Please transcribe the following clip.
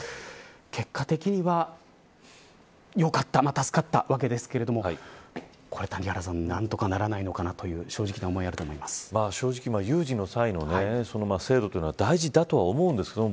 結果的にはよかった助かったわけですけれどもこれ谷原さん、何とかならないのかなという正直、有事の際の制度というのは大事だと思うんですけど